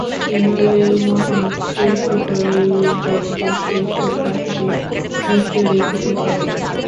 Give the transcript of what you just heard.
হিমালয়ের মহোচ্চ শিখরেই জগতের শ্রেষ্ঠ প্রাকৃতিক দৃশ্য দেখিতে পাওয়া যায়।